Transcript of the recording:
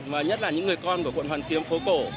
mà nhất là những người con của quận hoàn kiếm phố cổ